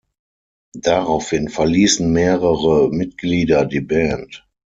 Daraufhin verließen mehrere Mitglieder die Band.